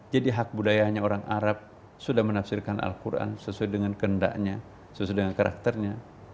jadi hak budayanya orang arab sudah menafsirkan al quran sesuai dengan kendaknya sesuai dengan karakternya